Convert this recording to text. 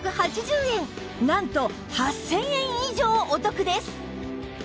なんと８０００円以上お得です